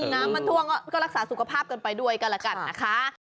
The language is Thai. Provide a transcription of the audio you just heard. น้ำมันท่วงก็รักษาสุขภาพกันไปด้วยก็ละกันนะคะ